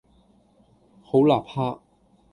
好立克